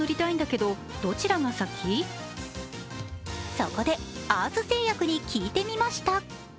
そこでアース製薬に聞いてみました。